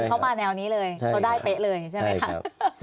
ใช่ไหมคะว่าเข้ามาแนวนี้เลยเขาได้เป๊ะเลยใช่ไหมคะ